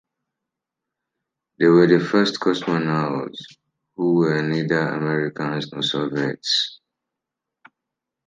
They were the first cosmonauts who were neither Americans nor Soviets.